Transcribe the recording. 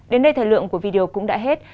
đến đây thời lượng của video cũng đã hết